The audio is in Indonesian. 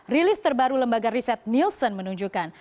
rilis terbaru lembaga riset nielsen menunjukkan